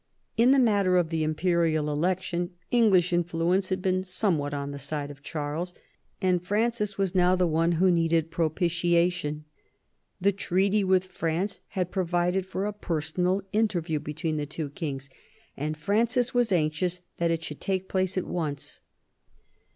In the matter of the imperial election English influence had been somewhat on the side of Charles, and Francis was now the one who needed propitiation. The treaty with France had provided for a personal interview between the two kings, and Francis was anxious that it should take place at once.